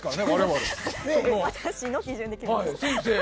私の基準で決めます。